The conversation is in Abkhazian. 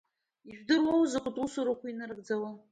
Ижәдыруоу закәытә усурақәоу инарыгӡауа?!